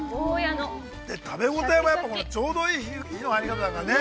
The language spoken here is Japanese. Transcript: ◆食べ応えも、やっぱりちょうどいい火の入り方だからね。